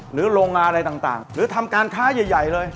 โรงงานอะไรต่างหรือทำการค้าใหญ่เลย